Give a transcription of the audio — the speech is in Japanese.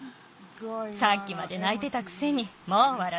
さっきまでないてたくせにもうわらってる。